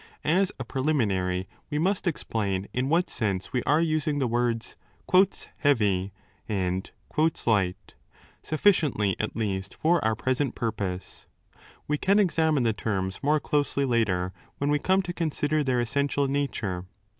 As a preliminary we must explain in what sense we are using. the words 'heavy' and 'light', sufficiently, at least, for our present purpose: we can examine the terms more closely later, when we come to consider their essential nature."